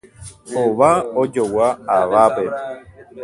Hova ojogua avápe.